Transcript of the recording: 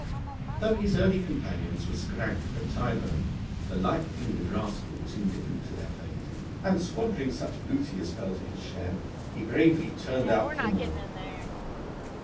Though his early companions were scragged at Tyburn, the light fingered rascal was indifferent to their fate, and squandering such booty as fell to his share, he bravely 'turned out' for more.